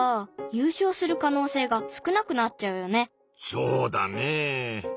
そうだねぇ。